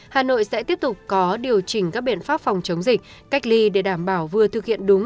hà nội sẽ tiếp tục có điều chỉnh các biện pháp phòng chống dịch cách ly để đảm bảo vừa thực hiện đúng